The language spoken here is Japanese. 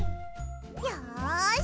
よし！